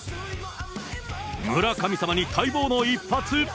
村神様に待望の一発。